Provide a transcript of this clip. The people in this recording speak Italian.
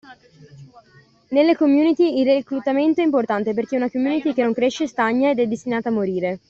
Nelle community il reclutamento è importante perché una community che non cresce, stagna ed è destinata a morire.